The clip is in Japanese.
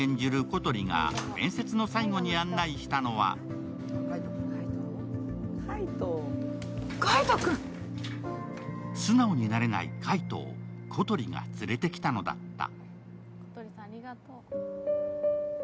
小鳥が面接の最後に案内したのは素直になれない海斗を小鳥が連れてきたのだった。